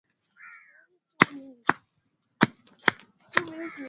Najua kuwa mwaka huu nitakuwa bwenyenye.